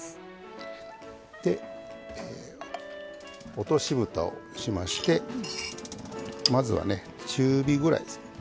落としぶたをしましてまずは中火ぐらいです。